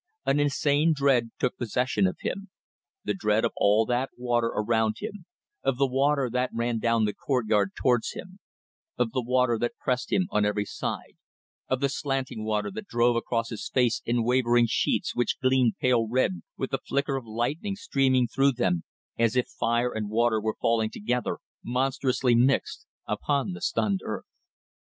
An insane dread took possession of him, the dread of all that water around him, of the water that ran down the courtyard towards him, of the water that pressed him on every side, of the slanting water that drove across his face in wavering sheets which gleamed pale red with the flicker of lightning streaming through them, as if fire and water were falling together, monstrously mixed, upon the stunned earth.